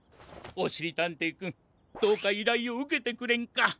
おしりたんていくんどうかいらいをうけてくれんか？